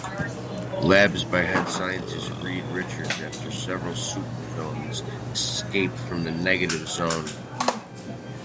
Labs by head scientist Reed Richards after several supervillains escape from the Negative Zone.